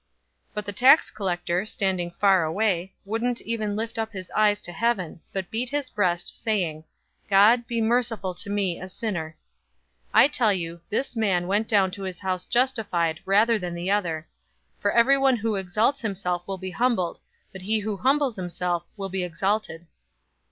018:013 But the tax collector, standing far away, wouldn't even lift up his eyes to heaven, but beat his breast, saying, 'God, be merciful to me, a sinner!' 018:014 I tell you, this man went down to his house justified rather than the other; for everyone who exalts himself will be humbled, but he who humbles himself will be exalted."